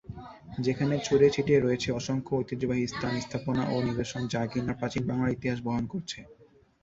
যেখানে ছড়িয়ে-ছিটিয়ে রয়েছে অসংখ্য ঐতিহ্যবাহী স্থান, স্থাপনা ও নিদর্শ, যা কিনা প্রাচীন বাংলার ইতিহাস বহন করছে।